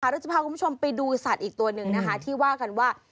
เราจะพาคุณผู้ชมไปดูสัตว์อีกตัวหนึ่งนะคะที่ว่ากันว่า